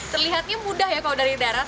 terlihatnya mudah ya kalau dari darat